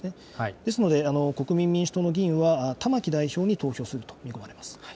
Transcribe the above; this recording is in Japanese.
ですので国民民主党の議員は、玉木代表に投票すると見込まれます。